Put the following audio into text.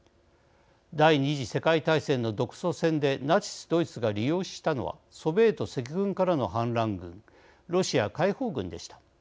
第２次世界大戦の独ソ戦でナチスドイツが利用したのはソビエト赤軍からの反乱軍ロシア解放軍でした。